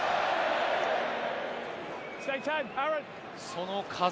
その風。